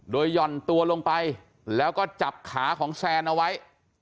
โดยหย่อนตัวลงไปแล้วก็จับขาของแซนเอาไว้